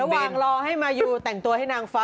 ระหว่างรอให้มายูแต่งตัวให้นางฟ้า